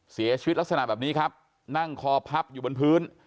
เสียชีวิตลักษณะแบบนี้ครับนั่งคอพับอยู่บนพื้น